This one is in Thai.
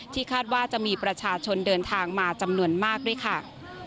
คาดว่าจะมีประชาชนเดินทางมาจำนวนมากด้วยค่ะ